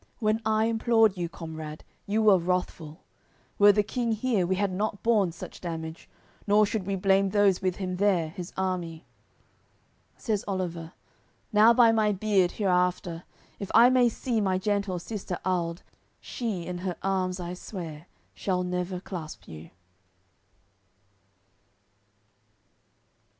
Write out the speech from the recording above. When I implored you, comrade, you were wrathful. Were the King here, we had not borne such damage. Nor should we blame those with him there, his army." Says Oliver: "Now by my beard, hereafter If I may see my gentle sister Alde, She in her arms, I swear, shall never clasp you."